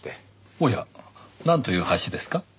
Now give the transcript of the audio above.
おやなんという橋ですか？